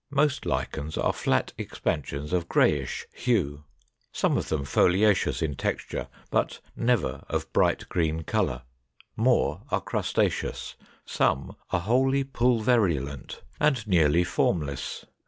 Most Lichens are flat expansions of grayish hue; some of them foliaceous in texture, but never of bright green color; more are crustaceous; some are wholly pulverulent and nearly formless.